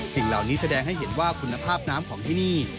สิ่งเหล่านี้แสดงให้เห็นว่าคุณภาพน้ำของที่นี่